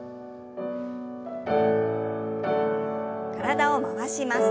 体を回します。